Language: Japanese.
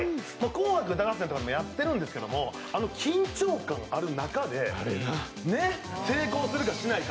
「紅白歌合戦」とかでもやってるんですけれども、緊張感ある中で、成功するかしないか。